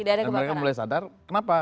dan mereka mulai sadar kenapa